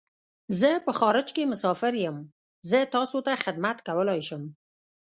زه په خارج کی مسافر یم . زه تاسو څه خدمت کولای شم